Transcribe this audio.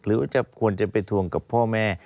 หรือว่าจะควรจะไปทวงกับพ่อแม่